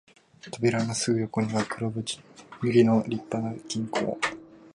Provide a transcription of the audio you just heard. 扉のすぐ横には黒塗りの立派な金庫も、